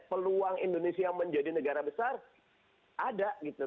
peluang indonesia menjadi negara besar ada gitu